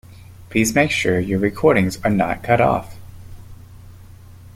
Please make sure your recordings are not cut off.